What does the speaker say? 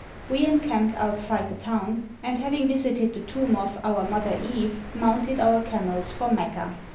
We encamped outside the town, and having visited the tomb of "our Mother Eve," mounted our camels for Mecca.